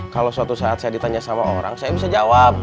kalau suatu saat saya ditanya sama orang saya bisa jawab